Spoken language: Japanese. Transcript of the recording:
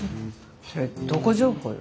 それどこ情報よ？